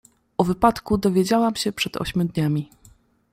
"O wypadku dowiedziałam się przed ośmiu dniami."